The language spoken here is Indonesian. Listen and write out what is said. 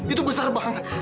itu besar banget